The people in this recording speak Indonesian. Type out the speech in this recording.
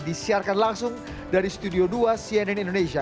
disiarkan langsung dari studio dua cnn indonesia